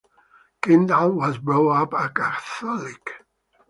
Kendal was brought up as a Catholic.